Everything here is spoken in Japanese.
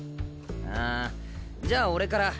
あじゃあ俺から。